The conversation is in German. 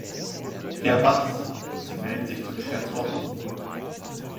Herr Watts, Sie melden sich zur Geschäftsordnung?